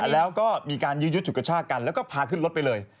แล้วก็มีการยื้อยุดฉุดกระชากันแล้วก็พาขึ้นรถไปเลย